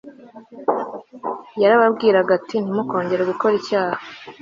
yarababwiraga ati Ntimukongere gukora icyaha